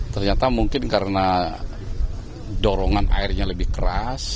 ternyata mungkin karena dorongan airnya lebih keras